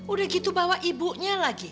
udah gitu bawa ibunya lagi